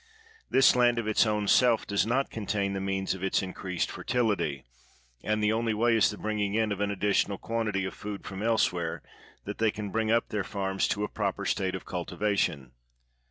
This land of its own self does not contain the means of its increased fer tility; and the only way is the bringing in of an additional quantity of food from elsewhere, that they can bring up their farms to a proper state of cultivation.